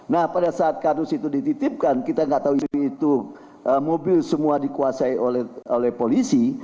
nah pada saat kardus itu dititipkan kita nggak tahu itu mobil semua dikuasai oleh polisi